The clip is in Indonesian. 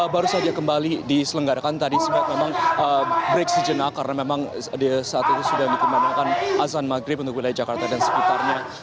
baru saja kembali diselenggarakan tadi sempat memang break sejenak karena memang saat ini sudah dikembangkan azan maghrib untuk wilayah jakarta dan sekitarnya